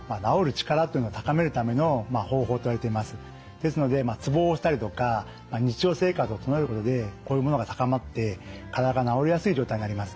ですのでツボを押したりとか日常生活を整えることでこういうものが高まって体が治りやすい状態になります。